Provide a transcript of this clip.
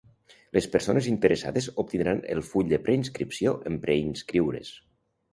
Les persones interessades obtindran el full de preinscripció en preinscriure's.